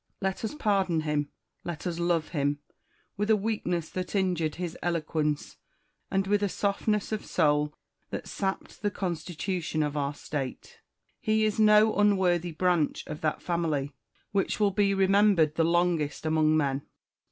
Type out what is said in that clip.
Let us pardon him ; let us love him. With a weakness that injured his eloquence, and with a softness of soul that sapped the con stitution of our State, he is no unworthy branch of that family which will be remembered the longest among men.